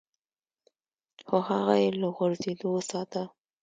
خو هغه يې له غورځېدو وساته.